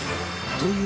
という